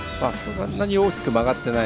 そんなに大きく曲がってない。